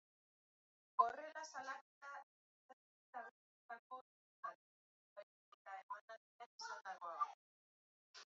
Horrela, salaketa ez litzateke abestietako hitzengatik, baizik eta emanaldian esandakoagatik.